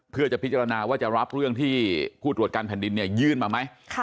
เพื่อจะพิจารณาว่าจะรับเรื่องที่ผู้ตรวจการแผ่นดินเนี่ยยื่นมาไหม